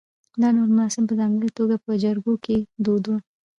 دا ډول مراسم په ځانګړې توګه په جریکو کې دود و